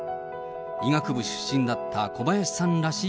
医学部出身だった小林さんらしい